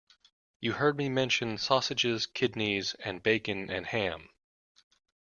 You heard me mention sausages, kidneys and bacon and ham.